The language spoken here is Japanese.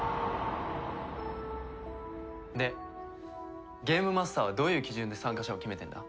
でゲームマスターはどういう基準で参加者を決めてんだ？